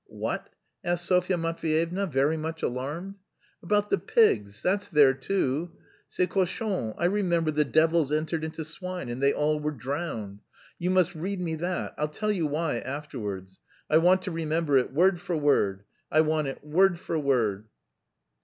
"What?" asked Sofya Matveyevna, very much alarmed. "About the pigs... that's there too... ces cochons. I remember the devils entered into swine and they all were drowned. You must read me that; I'll tell you why afterwards. I want to remember it word for word. I want it word for word."